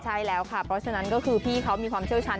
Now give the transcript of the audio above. ใช่แล้วค่ะเพราะฉะนั้นก็คือพี่เขามีความเชี่ยวชัน